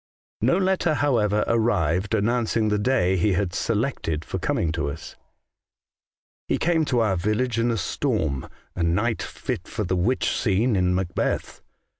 No letter, however, arrived announcing the day he had selected for coming to us. " He came to our village in a storm — a night fit for the witch scene in Macbeth.